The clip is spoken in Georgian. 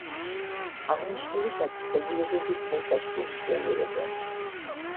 აღნიშნული დაწესებულებები დღესაც ფუნქციონირებენ.